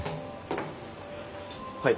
はい。